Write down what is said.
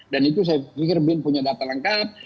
dan itu saya pikir bin punya data lengkap